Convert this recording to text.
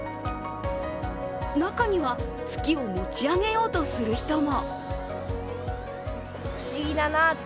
中には月を持ち上げようとする人も。